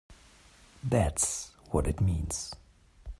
That's what it means!